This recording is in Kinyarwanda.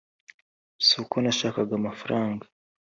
suko nashakaga amafaranga